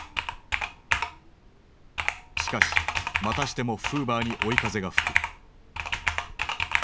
しかしまたしてもフーバーに追い風が吹く。